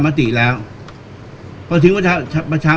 การสำรรค์ของเจ้าชอบใช่